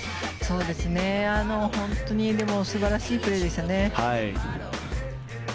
本当に、でも素晴らしいプレーでしたね。